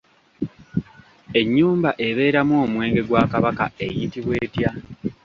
Ennyumba ebeeramu omwenge gwa Kabaka eyitibwa etya?